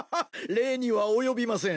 礼には及びません。